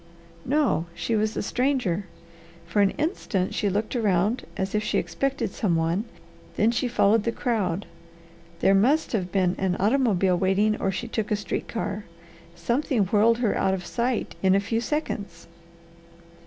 "No. She was a stranger. For an instant she looked around as if she expected some one, then she followed the crowd. There must have been an automobile waiting or she took a street car. Something whirled her out of sight in a few seconds."